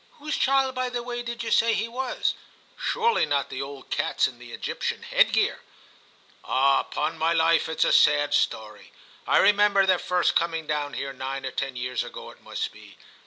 Whose child, by the way, did you say he was? Surely not the old cat's in the Egyptian headgear.' * Ah ! 'pon my life, it's a sad story. I remember their first coming down here, nine or ten years ago it must be.